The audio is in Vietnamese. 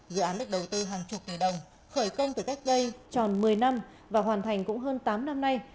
dự án được đầu tư hàng chục tỷ đồng khởi công từ cách đây tròn một mươi năm và hoàn thành cũng hơn tám năm nay